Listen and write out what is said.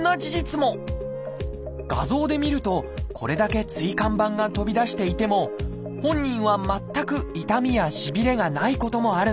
画像で見るとこれだけ椎間板が飛び出していても本人は全く痛みやしびれがないこともあるんです。